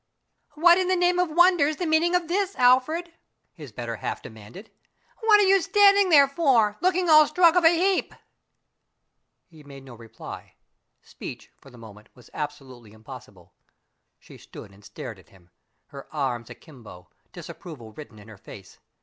"What in the name of wonder's the meaning of this, Alfred?" his better half demanded. "What are you standing there for, looking all struck of a heap?" He made no reply. Speech, for the moment, was absolutely impossible. She stood and stared at him, her arms akimbo, disapproval written in her face.